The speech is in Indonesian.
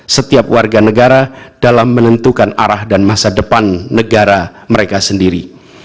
setiap warga negara dalam menentukan arah dan masa depan negara mereka sendiri